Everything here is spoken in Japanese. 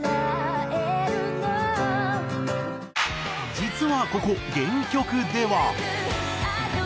実はここ原曲では。